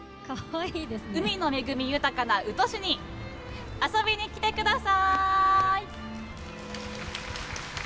海の恵み豊かな宇土市に遊びに来てください！